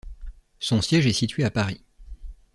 Son siège est situé à Paris.